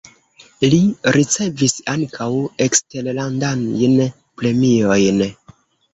Li ricevis ankaŭ eksterlandajn premiojn.